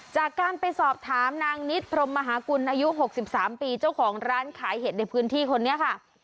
จากการไปสอบถามนางนิดพรมมหากุลอายุ๖๓ปีเจ้าของร้านขายเห็ดในพื้นที่คนนี้ค่ะ